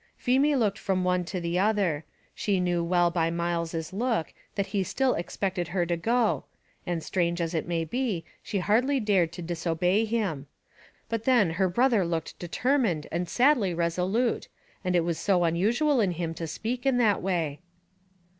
Feemy looked from one to the other; she knew well by Myles' look, that he still expected her to go, and strange as it may be, she hardly dared to disobey him; but then her brother looked determined and sadly resolute, and it was so unusual in him to speak in that way.